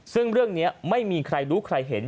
ซึ่งเรื่องนี้ไม่มีใครรู้ใครเห็น